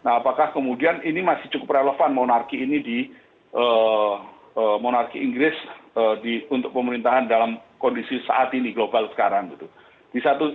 nah apakah kemudian ini masih cukup relevan monarki ini di monarki inggris untuk pemerintahan dalam kondisi saat ini global sekarang gitu